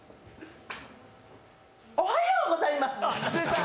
おはようございます。